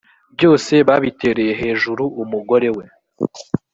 byose babitereye hejuru umugore we